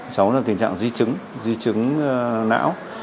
cháu là tình trạng di chứng di chứng não